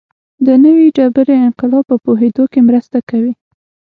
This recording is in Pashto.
د نوې ډبرې انقلاب په پوهېدو کې مرسته کوي